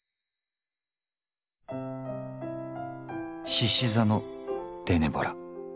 しし座のデネボラ。